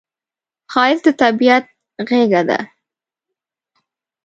ښایست د طبیعت غېږه ده